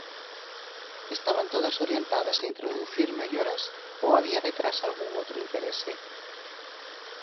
Estaban todas orientadas a introducir melloras ou había detrás algún outro interese?